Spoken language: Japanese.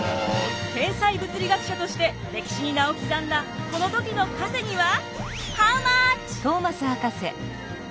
天才物理学者として歴史に名を刻んだこの時の稼ぎは？